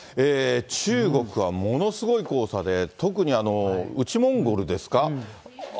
中国はものすごい黄砂で、特に内モンゴルですか。